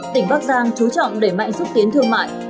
tỉnh bắc giang chú trọng đẩy mạnh xúc tiến thương mại